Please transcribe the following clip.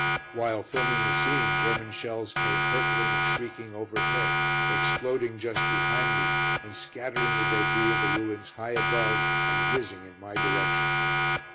While filming the scene, German shells came hurtling and shrieking overhead, exploding just behind me and scattering the débris of the ruins high above and whizzing in my direction.